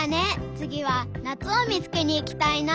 つぎはなつをみつけにいきたいな！